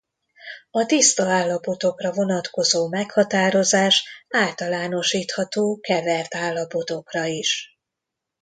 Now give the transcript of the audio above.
A tiszta állapotokra vonatkozó meghatározás általánosítható kevert állapotokra is.